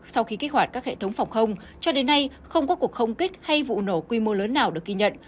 sau khi kích hoạt các hệ thống phòng không cho đến nay không có cuộc không kích hay vụ nổ quy mô lớn nào được ghi nhận